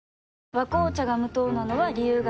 「和紅茶」が無糖なのは、理由があるんよ。